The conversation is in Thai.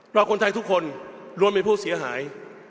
เพราะคนไทยทุกคนรวมเป็นผู้เสียหาย